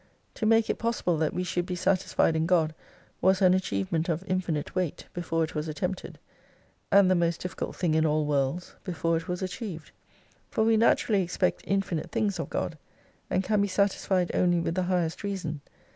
To make it possible that we should be satisfied in God was an achievement of infinite weight, before it was attempted, and the most difficult thing in all worlds before it was achieved. For we naturally expect infinite things of God : and can be satisfied only with the highest reason.